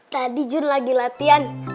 tadi jun lagi latihan